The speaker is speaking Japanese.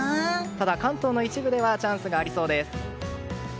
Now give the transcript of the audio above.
ただ関東の一部ではチャンスがありそうです。